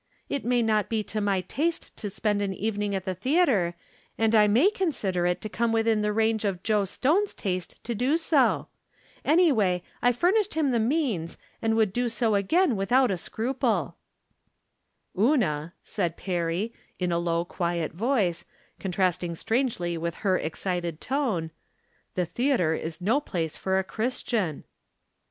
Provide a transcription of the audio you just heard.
" It may not be to my taste to spend an evening at the theatre, and I may con sider it to come within the range of Joe Stone's taste to do so. Anyway, I furnished him the From Different Standpoints. 173 means, and would do so again without a scru ple." " Una," said Perry, in a low quiet voice, con trasting strangely with her excited one, " the the atre is no place for a Christian."